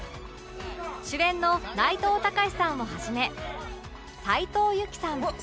主演の内藤剛志さんをはじめ斉藤由貴さん